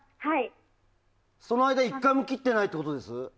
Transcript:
その間、１回も切っていないということです？